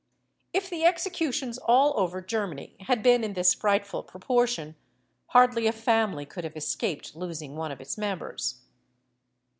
If the executions all over Germany had been in this frightful proportion, hardly a family could have escaped losing one of its members.